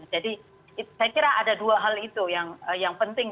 jadi saya kira ada dua hal itu yang penting